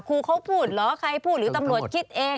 ครูเขาพูดเหรอใครพูดหรือตำรวจคิดเอง